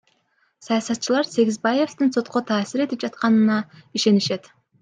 Саясатчылар Сегизбаевдин сотко таасир этип жатканына ишенишет.